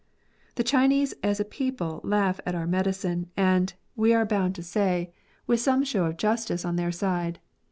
The Chinese as a people laugh at our medical science, and, we are bound to 38 MEDICAL SCIENCE. say, with some show of justice on their side.